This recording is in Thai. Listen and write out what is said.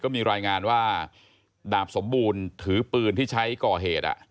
มีรายงานว่าดาบสมบูรณ์ถือปืนที่ใช้ก่อเหตุ